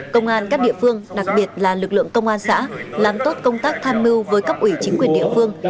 công an các địa phương đặc biệt là lực lượng công an xã làm tốt công tác tham mưu với cấp ủy chính quyền địa phương